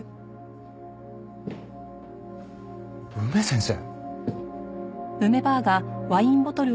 梅先生！